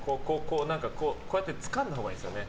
こうやってつかんだほうがいいんです。